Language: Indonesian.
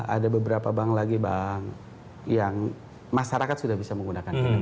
ada beberapa bank lagi bank yang masyarakat sudah bisa menggunakan kinerja